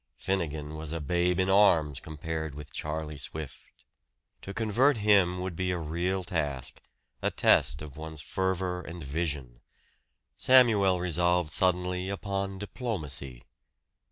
Finnegan was a babe in arms compared with Charlie Swift. To convert him would be a real task, a test of one's fervor and vision. Samuel resolved suddenly upon diplomacy.